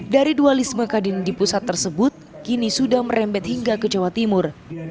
dari dualisme kadin di pusat tersebut kini sudah merembet hingga ke jawa timur